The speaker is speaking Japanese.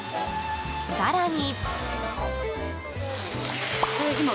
更に。